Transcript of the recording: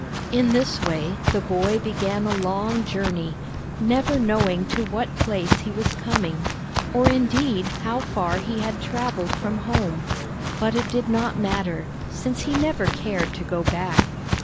In this way the boy began a long journey, never knowing to what place he was coming, or indeed how far he had traveled from home; but it did not matter, since he never cared to go back.